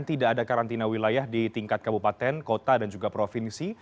tidak ada karantina wilayah di tingkat kabupaten kota dan juga provinsi